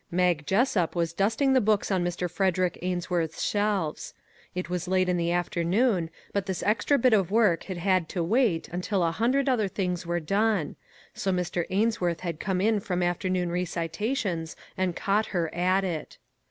Mag Jessup was dusting the books on Mr. Frederick Ainsworth's shelves. It was late in the afternoon, but this extra bit of work had had to wait until a hundred other things were done ; so Mr. Ainsworth had come in from afternoon recitations and caught her at it.